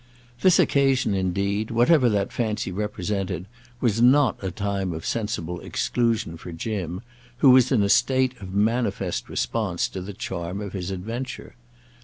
This occasion indeed, whatever that fancy represented, was not a time of sensible exclusion for Jim, who was in a state of manifest response to the charm of his adventure.